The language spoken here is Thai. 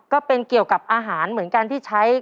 ก็เป็นเกี่ยวกับอาหารเหมือนกันที่ใช้